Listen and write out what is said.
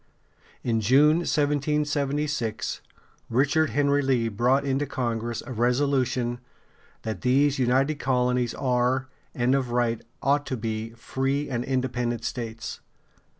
In June, 1776, Richard Henry Lee brought into Congress a resolution "that these United Colonies are, and of right ought to be, free and independent States."